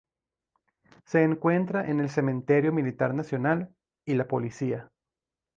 Se encuentra en el Cementerio Militar Nacional y la policía.